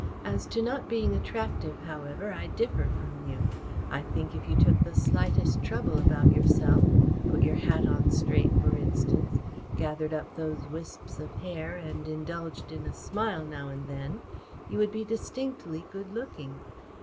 As to not being attractive, however, I differ from you. I think if you took the slightest trouble about yourself put your hat on straight, for instance, gathered up those wisps of hair, and indulged in a smile now and then you would be distinctly good looking."